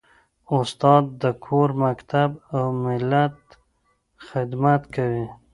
استاد د کور، مکتب او ملت خدمت کوي.